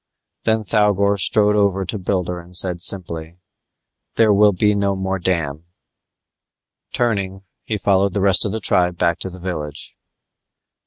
Then Thougor strode over to Builder and said simply, "There will be no more dam." Turning he followed the rest of the tribe back to the village.